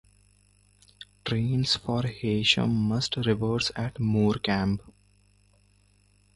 Trains for Heysham must reverse at Morecambe.